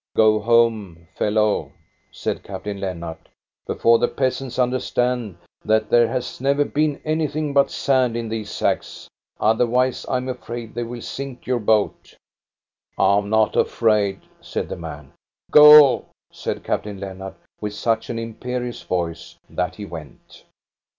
Go home, fellow," said Captain Lennart, " before the peasants understand that there has never been anything but sand in these sacks; otherwise I am afraid they will sink your boat." " I am not afraid," said the man. " Go," said Captain Lennart, with such an imperious voice that he went.